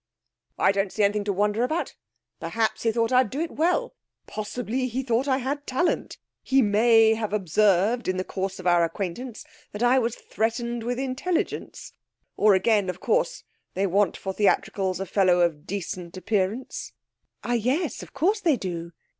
'I don't see anything to wonder about. Perhaps he thought I'd do it well. Possibly he supposed I had talent. He may have observed, in the course of our acquaintance, that I was threatened with intelligence! Or again, of course, they want for theatricals a fellow of decent appearance.' 'Ah, yes; of course they do.'